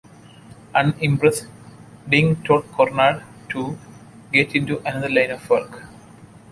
Unimpressed, Ding told Conrad to "get into another line of work".